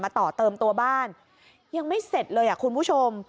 ต่อเติมตัวบ้านยังไม่เสร็จเลยอ่ะคุณผู้ชม